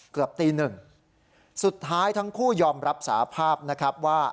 เกือบตีหนึ่งสุดท้ายทั้งคู่ยอมรับสาภาพนะครับว่า